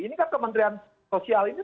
ini kan kementerian sosial ini